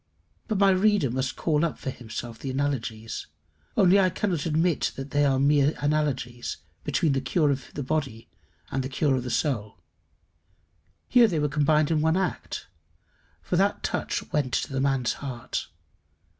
But my reader must call up for himself the analogies only I cannot admit that they are mere analogies between the cure of the body and the cure of the soul: here they were combined in one act, for that touch went to the man's heart.